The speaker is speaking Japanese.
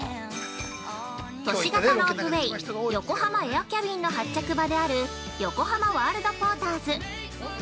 ◆都市型ロープウェイ、ヨコハマエアキャビンの発着場である横浜ワールドポーターズ。